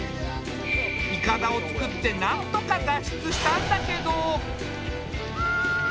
いかだを作ってなんとか脱出したんだけど。